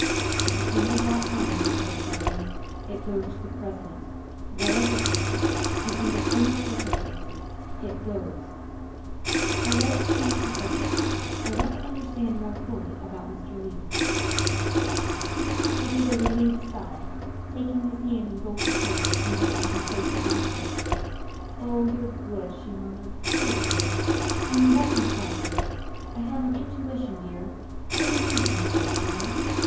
" At the end of that time," he said firmly, " it goes to the President. Whatever happens, and under any circumstances, it goes. Now let us change the sub ject. I want to understand more fully about Mr. Leigh." THE SECRETARY OF STATE 261 She gave a relieved sigh, taking his hand in both of hers and resting her face against it. " Oh, you're good," she murmured, " so good. And you won't be sorry. I have an intuition, dear women do sometimes, you know.